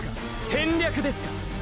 戦略ですか？